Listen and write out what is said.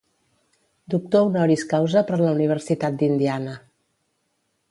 Doctor honoris causa per la Universitat d'Indiana.